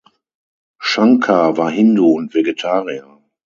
Shankar war Hindu und Vegetarier.